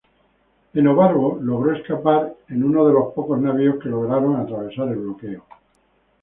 Enobarbo logró escapar en uno de los pocos navíos que lograron atravesar el bloqueo.